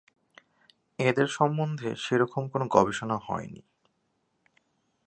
এঁদের সম্বন্ধে সেরকম কোনো গবেষণা হয়নি।